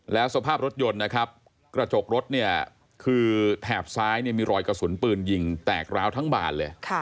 แล้วสภาพรถยนต์นะครับกระจกรถเนี่ยคือแถบซ้ายเนี่ยมีรอยกระสุนปืนยิงแตกร้าวทั้งบานเลย